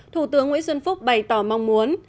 thủ tướng nguyễn xuân phúc bày tỏ mong muốn